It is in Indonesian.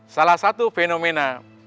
salah satu fenomena